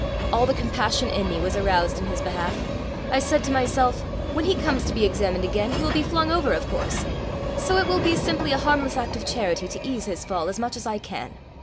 All the compassion in me was aroused in his behalf. I said to myself, when he comes to be examined again, he will be flung over, of course; so it will be simply a harmless act of charity to ease his fall as much as I can.